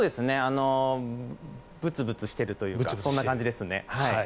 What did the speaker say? ぶつぶつしてるというかそんな感じですね。